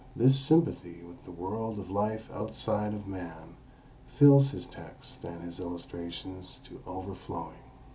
This sympathy with the world of life outside of man fills his text and his illustrations to overflowing.